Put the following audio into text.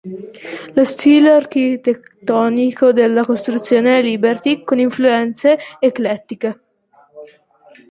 Lo stile architettonico della costruzione è liberty con influenze eclettiche.